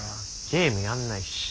ゲームやんないし。